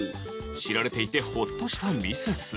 知られていてホッとしたミセス